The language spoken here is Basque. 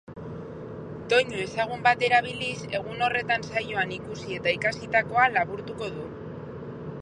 Doinu ezagun bat erabiliz, egun horretan saioan ikusi eta ikasitakoa laburtuko du.